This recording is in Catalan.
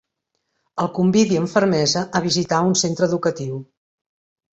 El convidi amb fermesa a visitar un centre educatiu.